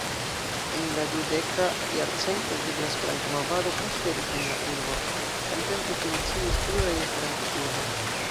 En la dudeka jarcento vigla Esperanto-movado prosperis en la urbo, samtempe funkciis pluraj Esperanto-kluboj.